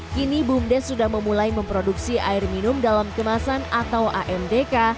kini bumdes sudah memulai memproduksi air minum dalam kemasan atau amdk